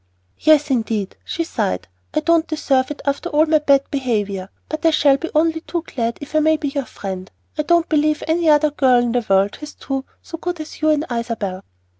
"Yes, indeed," she sighed. "I don't deserve it after my bad behavior, but I shall be only too glad if I may be your friend. I don't believe any other girl in the world has two so good as you and Isabel."